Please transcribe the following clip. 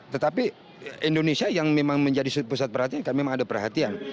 tetapi indonesia yang memang menjadi pusat perhatian kan memang ada perhatian